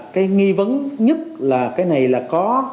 cái nghi vấn nhất là cái này là có